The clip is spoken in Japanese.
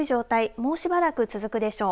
もうしばらく続くでしょう。